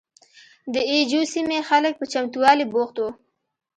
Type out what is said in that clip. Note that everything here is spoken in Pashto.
د اي جو سیمې خلک په چمتوالي بوخت وو.